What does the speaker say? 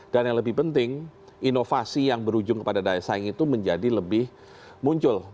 dan yang lebih penting inovasi yang berujung kepada daya saing itu menjadi lebih muncul